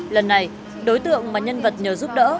lần này đối tượng mà nhân vật nhờ giúp đỡ